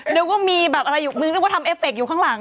นึกว่ามีแบบอะไรอยู่มึงนึกว่าทำเอฟเฟคอยู่ข้างหลัง